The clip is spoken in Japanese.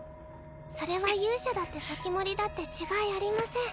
それは勇者だって防人だって違いありません。